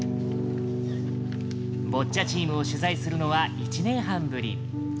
ボッチャチームを取材するのは１年半ぶり。